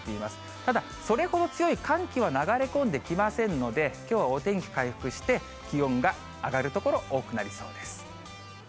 ただ、それほど強い寒気は流れ込んできませんので、きょうはお天気回復して、気温が上がる所、多くなりそうです。